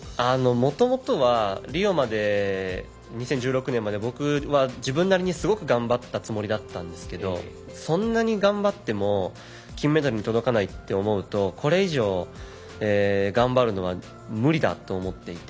もともとはリオまで２０１６年まで僕は自分なりにすごく頑張ったつもりだったんですけどそんなに頑張っても金メダルに届かないって思うとこれ以上、頑張るのは無理だと思っていて。